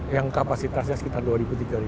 yang kapasitasnya sekitar dua tiga